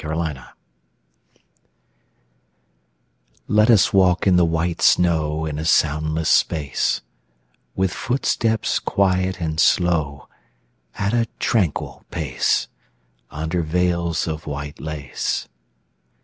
VELVET SHOES Let us walk in the white snow In a soundless space; With footsteps quiet and slow, At a tranquil pace, Under veils of white lace.